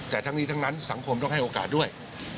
แต่ทั้งนี้ทั้งนั้นสังคมต้องให้โอกาสด้วย